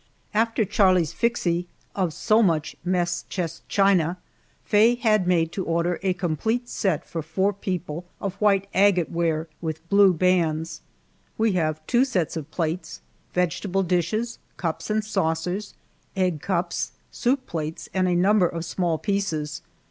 After Charlie's "flixee" so much mess chest china, Faye had made to order a complete set for four people of white agate ware with blue bands. We have two sets of plates, vegetable dishes, cups and saucers, egg cups, soup plates, and a number of small pieces.